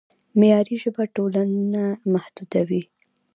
معیاري ژبه ټولنه متحدوي.